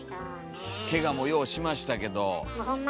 けがもようしましたけど。